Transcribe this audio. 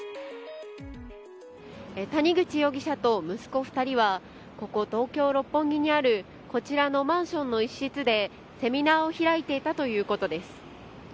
谷口容疑者と息子２人はここ東京、六本木にあるこちらのマンションの一室でセミナーを開いていたということです。